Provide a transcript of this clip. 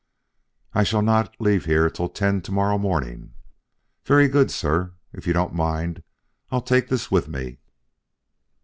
"I shall not leave here till ten to morrow morning." "Very good, sir. If you don't mind, I'll take this with me."